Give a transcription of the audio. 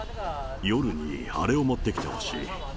夜にあれを持ってきてほしい。